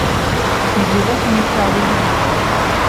Nibyiza kunywa itabi hano?